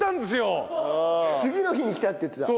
次の日に来たって言ってた。